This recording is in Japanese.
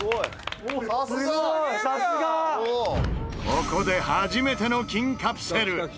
ここで初めての金カプセル！